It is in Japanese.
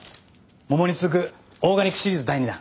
「もも」に続くオーガニックシリーズ第２弾。